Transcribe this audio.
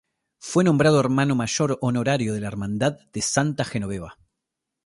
Fue nombrado Hermano Mayor Honorario de la Hermandad de Santa Genoveva.